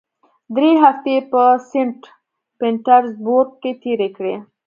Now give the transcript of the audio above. درې هفتې یې په سینټ پیټرزبورګ کې تېرې کړې.